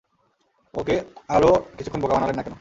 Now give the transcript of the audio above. ওকে আরো কিছুক্ষণ বোকা বানালেন না কেন?